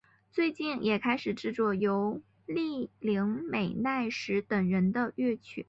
最近也开始制作栗林美奈实等人的乐曲。